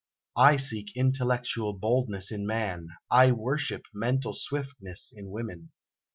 I seek intellectual boldness in man, I worship mental swiftness in women.